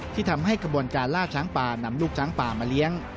ที่ทำให้กระบวนการล่าช้างป่านำลูกช้างป่ามาเลี้ยง